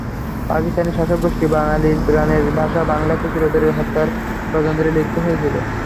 পাকিস্তানি শাসকগোষ্ঠী বাঙালির প্রাণের ভাষা বাংলাকে চিরতরে হত্যার ষড়যন্ত্রে লিপ্ত হয়েছিল।